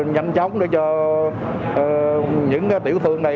nhanh chóng cho những tiểu thương này